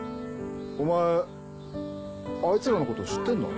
お前あいつらのこと知ってんの？